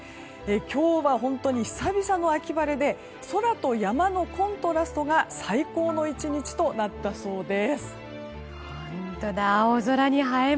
今日は本当に久々の秋晴れで空と山のコントラストが最高の１日となったそうです。